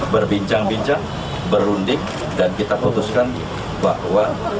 berbincang bincang berunding dan kita putuskan bahwa